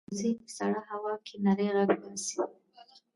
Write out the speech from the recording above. وزې په سړه هوا کې نری غږ باسي